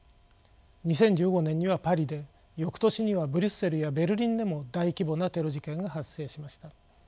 ２０１５年にはパリで翌年にはブリュッセルやベルリンでも大規模なテロ事件が発生しました。